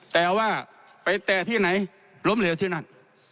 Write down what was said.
แต่ว่าไปแตะที่ไหนล้มเหลวที่นั่น